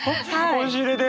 押し入れで？